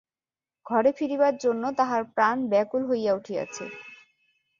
ঘরে ফিরিবার জন্য তাহার প্রাণ ব্যাকুল হইয়া উঠিয়াছে।